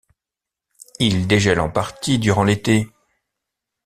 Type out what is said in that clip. Ils dégèlent en partie durant l'été.